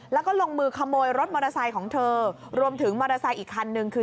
แล้วก็ลงมือขโมยรถมอเตอร์ไซค์ของเธอรวมถึงมอเตอร์ไซค์อีกคันนึงคือ